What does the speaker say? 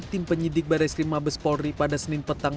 tim penyidik baris lima bespolri pada senin petang